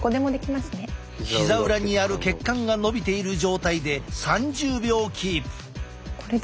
ひざ裏にある血管がのびている状態で３０秒キープ！